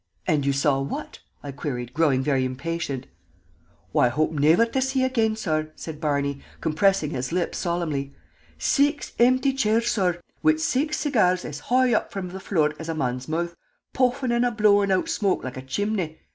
"And you saw what?" I queried, growing very impatient. "What I hope niver to see again, sorr," said Barney, compressing his lips solemnly. "Six impty chairs, sorr, wid six segyars as hoigh up from the flure as a man's mout', puffin' and a blowin' out shmoke loike a chimbley!